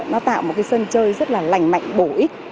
nó tạo một cái sân chơi rất là lành mạnh bổ ích